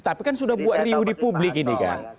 tapi kan sudah buat riuh di publik ini kan